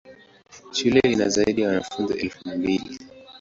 Shule ina zaidi ya wanafunzi elfu mbili.